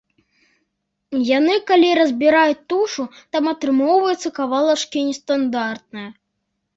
Яны калі разбіраюць тушу, там атрымоўваюцца кавалачкі нестандартныя.